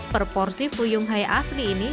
per porsi fuyung hai asli ini